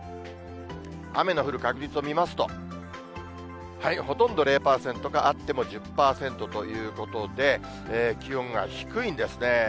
雨の降る確率を見ますと、ほとんど０％か、あっても１０％ということで、気温が低いんですね。